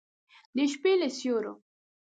د شپې له سیورو